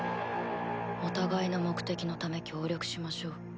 お互いの目的のため協力しましょう。